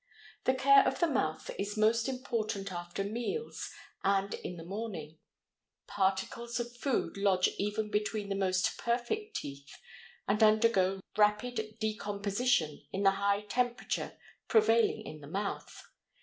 The care of the mouth is most important after meals and in the morning; particles of food lodge even between the most perfect teeth and undergo rapid decomposition in the high temperature prevailing in the mouth.